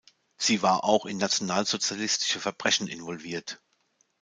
Sie war auch in nationalsozialistische Verbrechen involviert.